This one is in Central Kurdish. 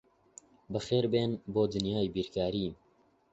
بەخێربێن بۆ دنیای بیرکاری.